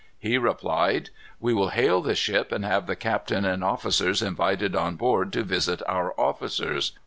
"He replied, 'We will hail the ship, and have the captain and officers invited on board to visit our officers.